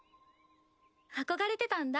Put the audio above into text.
憧れてたんだ